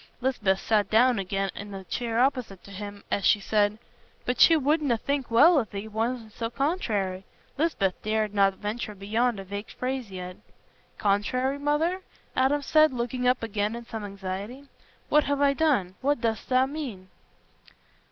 Lisbeth sat down again in the chair opposite to him, as she said: "But she wouldna think well if thee wastna so contrairy." Lisbeth dared not venture beyond a vague phrase yet. "Contrairy, mother?" Adam said, looking up again in some anxiety. "What have I done? What dost mean?"